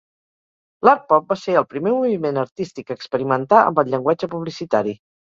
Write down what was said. L'art pop va ser el primer moviment artístic a experimentar amb el llenguatge publicitari.